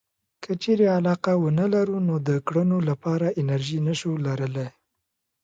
که چېرې علاقه ونه لرو نو د کړنو لپاره انرژي نشو لرلای.